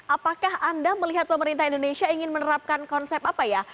apakah anda melihat pemerintah indonesia ingin menerapkan konsep apa ya